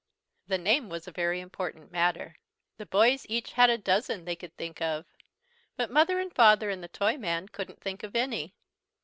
The name was a very important matter. The boys each had a dozen they could think of, but Mother and Father and the Toyman couldn't think of any.